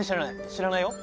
知らないよ。